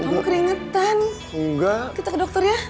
kamu keringetan kita ke dokter ya